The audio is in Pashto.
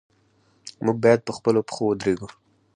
موږ باید په خپلو پښو ودریږو.